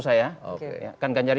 saya eko kuntadi